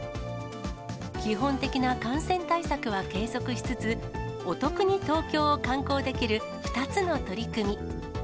基本的な感染対策は継続しつつ、お得に東京を観光できる２つの取り組み。